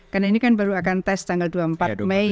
karena ini kan baru akan tes tanggal dua puluh empat mei